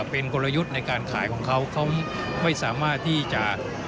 เป็นกำลังยุดในการขายของเค้าเค้าไม่สามารถที่จะ